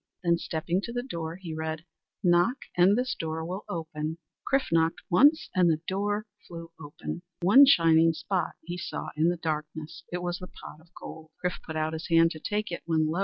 Then stepping to the door, he read: "Knock and this door will open." Chrif knocked once, and the door flew open. One shining spot he saw in the darkness. It was the pot of gold. Chrif put out his hand to take it, when lo!